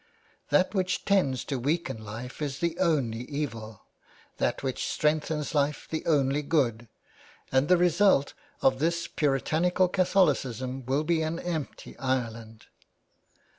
" That which tends to weaken life is the only evil, that which strengthens life the only good, and the result of this puritanical Catholicism will be an empty Ireland."